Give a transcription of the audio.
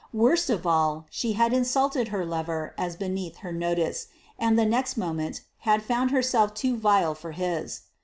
Worst of all, she had insulted her lover as beneath her notice, and the next moment had found herself too vile for his.